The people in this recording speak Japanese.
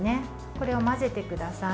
これを混ぜてください。